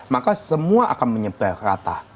maka semua akan menyebar rata